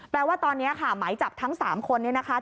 แปลว่าตอนเนี่ยค่ะหมายจับทั้ง๓คนเนี่ยนะคะ